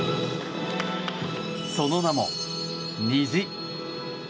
その名も、虹。